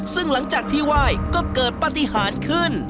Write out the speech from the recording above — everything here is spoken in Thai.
ซึ่งหลังจากที่ไหว้ก็เกิดปฏิหารขึ้น